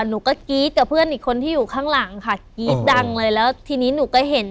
หนูก็กรี๊ดกับเพื่อนอีกคนที่อยู่ข้างหลังค่ะกรี๊ดดังเลยแล้วทีนี้หนูก็เห็น